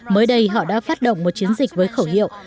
mới đây họ đã phát động một chiến dịch với khẩu hiệu